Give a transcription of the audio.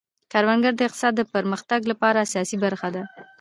کروندګري د اقتصاد د پرمختګ لپاره اساسي برخه ده.